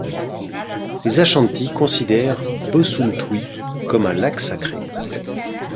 Les Ashantis considèrent Bosumtwi comme un lac sacré.